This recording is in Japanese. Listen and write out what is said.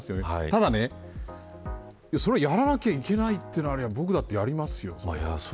ただ、それをやらないといけないというのなら僕だってやります。